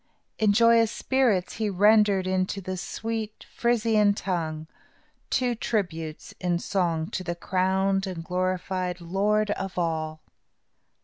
In joyous spirits, he rendered into the sweet Frisian tongue, two tributes in song to the crowned and glorified Lord of all.